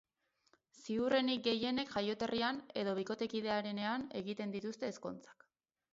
Ziurrenik gehienek jaioterrian, edo bikotearenean egiten dituzte ezkontzak.